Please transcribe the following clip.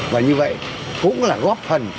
và như vậy cũng là góp phần